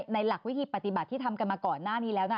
หลักวิธีปฏิบัติที่ทำกันมาก่อนหน้านี้แล้วนะ